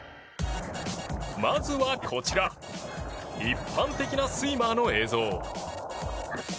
まずはこちら一般的なスイマーの映像。